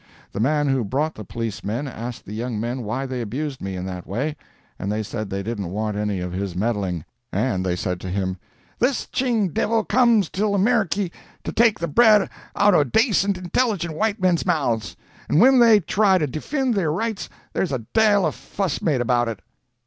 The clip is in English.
The man who brought the policemen asked the young men why they abused me in that way, and they said they didn't want any of his meddling. And they said to him: "This Ching divil comes till Ameriky to take the bread out o' dacent intilligent white men's mouths, and whin they try to defind their rights there's a dale o' fuss made about it."